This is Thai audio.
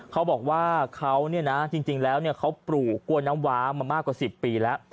เขาบอกว่าเขาเนี่ยนะจริงแล้วเขาปลูกกล้วยน้ำว้ามามากกว่า๑๐ปีแล้ว